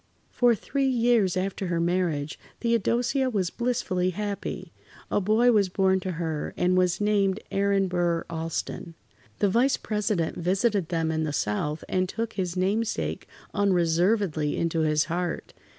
For three years after her marriage, Theodosia was blissfully happy. A boy was born to her, and was named Aaron Burr Alston. The Vice President visited them in the South and took his namesake unreservedly into his heart.